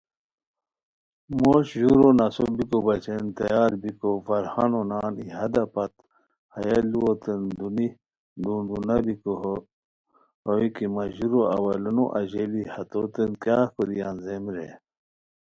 موش ژورو ناسو بیکوبچین تیار بیکو ،فرہانو نان ای حداپت ہیہ لُوؤ تین دونی دی دُون دونہ ہوئے کی مہ ژورو اولانو اژیلی، ہتوتین کیاغ کوری انځئیم رے